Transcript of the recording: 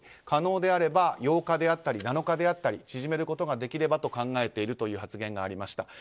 可能であれば８日であったり７日であったり縮めることができればと考えているという発言がありました。